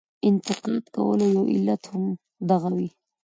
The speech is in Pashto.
انتقاد کولو یو علت هم دغه وي.